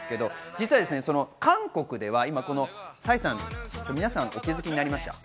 実は韓国では今、ＰＳＹさん、皆さんお気づきになりました？